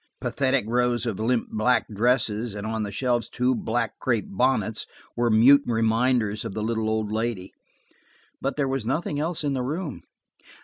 Pathetic rows of limp black dresses and on the shelves two black crepe bonnets were mute reminders of the little old lady. But there was nothing else in the room.